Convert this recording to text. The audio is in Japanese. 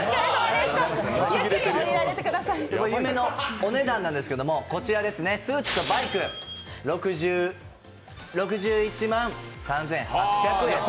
夢のお値段なんですけれどもスーツとバイク、６１万３８００円。